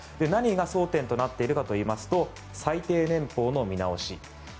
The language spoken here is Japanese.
何が争点となっているかというと最低年俸の見直し